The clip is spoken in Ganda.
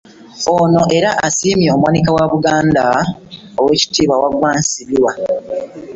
Ono era asiimye omuwanika wa Buganda, Oweekitiibwa Waggwa Nsibirwa